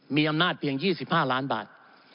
มีอำนาจเพียง๒๕ล้านบาท